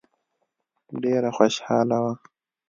ډېره خوشاله وه.